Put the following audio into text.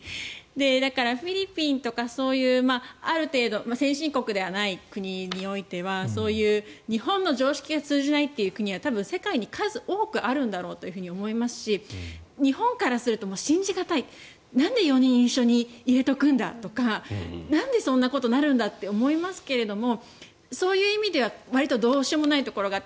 フィリピンとか先進国ではない国においてはそういう日本の常識が通じないという国は世界に数多くあるんだろうと思いますし日本からすると信じ難いなんで４人一緒に入れておくんだとかなんでそんなことになるんだと思いますけどそういう意味では、わりとどうしようもないところがある。